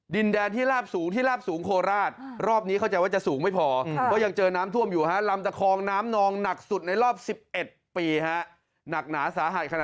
ดินแดนที่ลาบสูงที่ลาบสูงโคลราศ